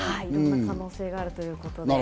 可能性があるということで。